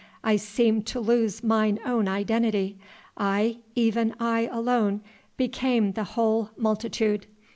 I seemed to lose mine own identity. I even I alone became the whole multitude.